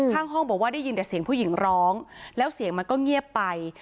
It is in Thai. ข้างห้องบอกว่าได้ยินแต่เสียงผู้หญิงร้องแล้วเสียงมันก็เงียบไป